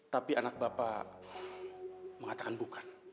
tapi anak bapak mengatakan bukan